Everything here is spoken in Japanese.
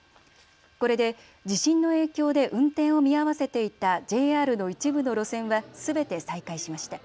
これで地震の影響で運転を見合わせていたＪＲの一部の路線はすべて再開しました。